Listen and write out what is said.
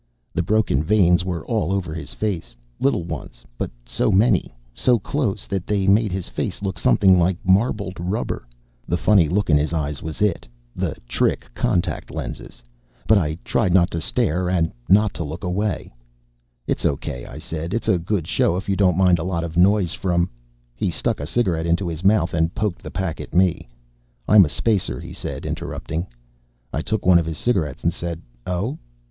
The broken veins were all over his face, little ones, but so many, so close, that they made his face look something like marbled rubber. The funny look in his eyes was it the trick contact lenses. But I tried not to stare and not to look away. "It's okay," I said. "It's a good show if you don't mind a lot of noise from " He stuck a cigarette into his mouth and poked the pack at me. "I'm a spacer," he said, interrupting. I took one of his cigarettes and said: "Oh."